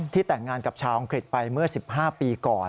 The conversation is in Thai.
แต่งงานกับชาวอังกฤษไปเมื่อ๑๕ปีก่อน